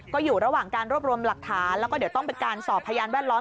ก็อยู่ระหว่างการรวบรวมหลักฐานแล้วก็เดี๋ยวต้องเป็นการสอบพยานแวดล้อม